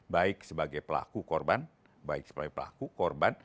baik sebagai pelaku korban baik sebagai pelaku korban